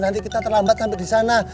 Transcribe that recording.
nanti kita terlambat sampai di sana